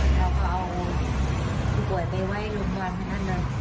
เราเอาคนป่วยไปไว้โรงพยาบาลธน่ะ